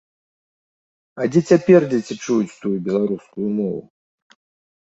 А дзе цяпер дзеці чуюць тую беларускую мову?